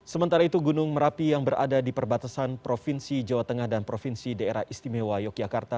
sementara itu gunung merapi yang berada di perbatasan provinsi jawa tengah dan provinsi daerah istimewa yogyakarta